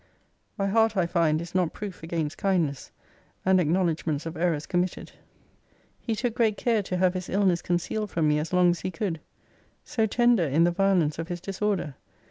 My heart, I find, is not proof against kindness, and acknowledgements of errors committed. He took great care to have his illness concealed from me as long as he could. So tender in the violence of his disorder!